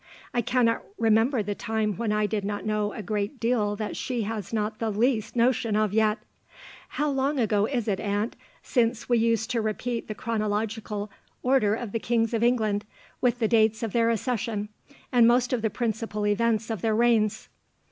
I cannot remember the time when I did not know a great deal that she has not the least notion of yet. How long ago is it, aunt, since we used to repeat the chronological order of the kings of England, with the dates of their accession, and most of the principal events of their reigns?